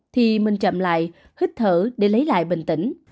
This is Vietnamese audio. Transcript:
thì mình chậm lại hít thở để lấy lại bình tĩnh